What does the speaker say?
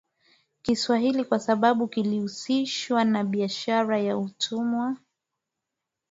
Kiswahili kwa sababu kilihusishwa na biashara ya utumwa